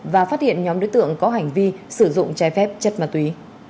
và phát hiện nhóm đối tượng có hành vi sử dụng trái phép chất ma túy